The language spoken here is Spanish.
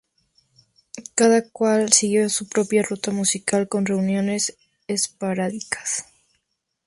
Cada cual siguió su propia ruta musical, con reuniones esporádicas.